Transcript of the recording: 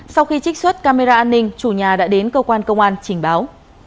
sau khi trích xuất camera an ninh chủ nhà đã đến cơ quan công an trình báo